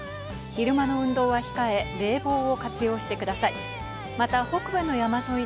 昼間の運動は控え、冷房を活用してください。